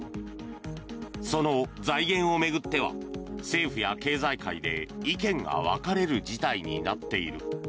その財源を巡っては政府や経済界で意見が分かれる事態になっている。